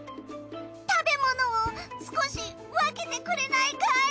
食べ物を少し分けてくれないかい。